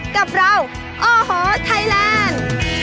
กับเราโอ้โหไทยแลนด์